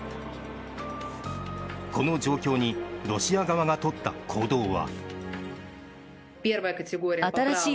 この状況にロシア側が取った行動は。